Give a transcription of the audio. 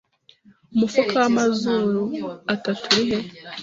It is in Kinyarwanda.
Umufuka w'amazuru atatu uri he